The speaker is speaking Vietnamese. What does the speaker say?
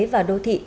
và đô thị